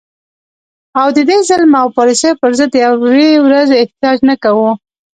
او د دې ظلم او پالیسو په ضد د یوې ورځي احتجاج نه کوو